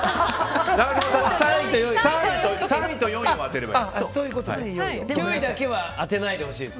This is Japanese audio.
永島さん、３位と４位を当てればいいんです。